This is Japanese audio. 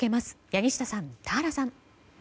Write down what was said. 柳下さん、田原さん。